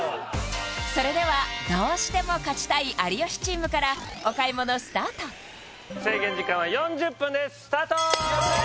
それではどうしても勝ちたい有吉チームからお買い物スタートスタート